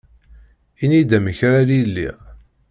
Ini-yi-d amek ara iliɣ